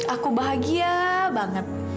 aku bahagia banget